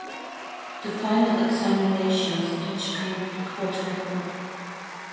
The final examinations each count quadruple.